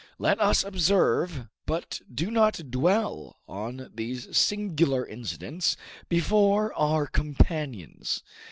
Let us observe, but do not dwell on these singular incidents before our companions.